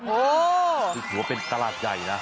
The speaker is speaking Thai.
โอ้วสิฟะว่าเป็นตลาดใหญ่นะ